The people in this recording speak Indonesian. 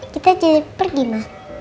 kita jadi pergi mah